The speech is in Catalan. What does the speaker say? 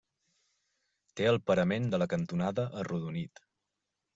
Té el parament de la cantonada arrodonit.